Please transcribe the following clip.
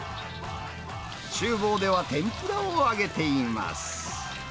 ちゅう房では天ぷらを揚げています。